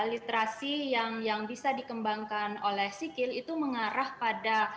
literasi yang bisa dikembangkan oleh sikil itu mengarah pada